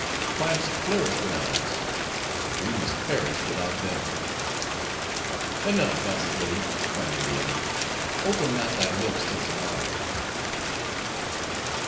Plants flourish without us: we must perish without them." "Enough Azzageddi!" cried Media. "Open not thy lips till to morrow."